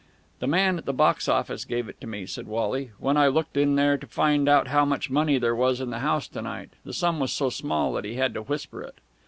"The man at the box office gave it to me," said Wally, "when I looked in there to find out how much money there was in the house to night. The sum was so small that he had to whisper it."